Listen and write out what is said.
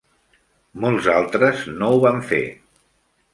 Molts altres no ho van fer.